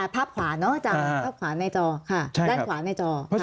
ภาพขวาเนอะอาจารย์ภาพขวาในจอค่ะด้านขวาในจอ